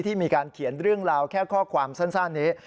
มีการเขียนเรื่องราวแค่ข้อความสั้นนี้